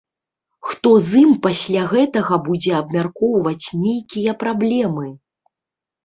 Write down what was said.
Хто з ім пасля гэтага будзе абмяркоўваць нейкія праблемы?